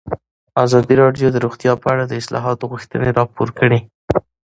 ازادي راډیو د روغتیا په اړه د اصلاحاتو غوښتنې راپور کړې.